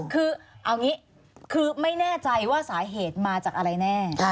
คือเอางี้คือไม่แน่ใจว่าสาเหตุมาจากอะไรแน่